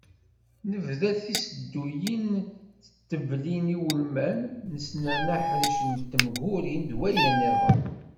Nebda s tisedduyin d tdeblin iwulmen, nesnerna aḥric n temguri d wayen-nniḍen.